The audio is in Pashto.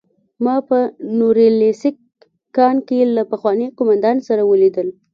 ما په نوریلیسک کان کې له پخواني قومندان سره ولیدل